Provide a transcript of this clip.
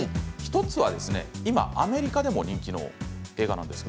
１つは、今アメリカでも人気の映画です。